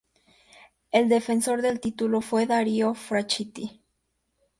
El Defensor del Título fue Dario Franchitti.